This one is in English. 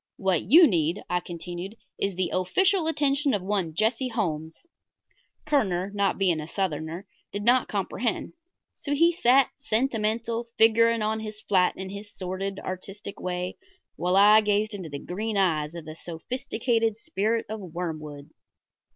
"What you need," I continued, "is the official attention of one Jesse Holmes." Kerner, not being a Southerner, did not comprehend, so he sat, sentimental, figuring on his flat in his sordid, artistic way, while I gazed into the green eyes of the sophisticated Spirit of Wormwood.